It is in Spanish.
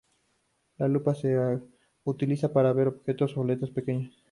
La lupa es utilizada para ver objetos o letras pequeñas.